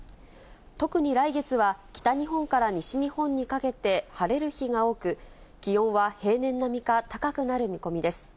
特に来月は北日本から西日本にかけて、晴れる日が多く、気温は平年並みか高くなる見込みです。